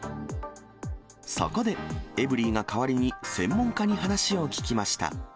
そこで、エブリィが代わりに専門家に話を聞きました。